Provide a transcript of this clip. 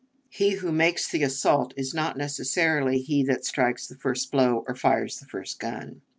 He who makes the assault is not necessarily he that strikes the first blow or fires the first gun.